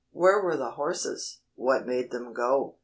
"Where were the horses?" "What made them go?"